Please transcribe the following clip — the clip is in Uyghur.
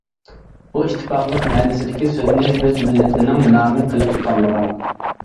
بۇ ئىتتىپاقلىق مەنىسىدىكى سۆزنى ئۆز مىللىتىنىڭ نامى قىلىپ تاللىغان.